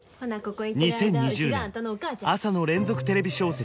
２０２０年朝の連続テレビ小説